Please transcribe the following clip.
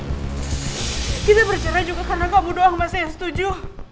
kita bercerai juga karena kamu doang mas yang setuju